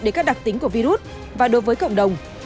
đến các đặc tính của virus và đối với cộng đồng